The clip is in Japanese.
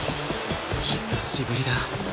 久しぶりだ